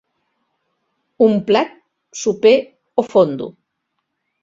Un plat soper o fondo.